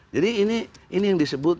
jadi ini yang disebut